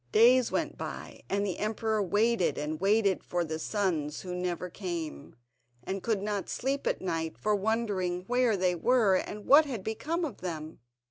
Days went by, and the emperor waited and waited for the sons who never came, and could not sleep at night for wondering where they were and what had become of them.